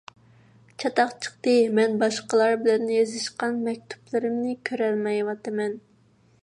چاتاق چىقتى. مەن باشقىلار بىلەن يېزىشقان مەكتۇپلىرىمنى كۆرەلمەيۋاتىمەن.